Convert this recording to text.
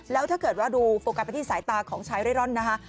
แล้วถ้าเกิดว่าดูโฟกัสไปที่สายตาของชายเร่ร่อนนะคะ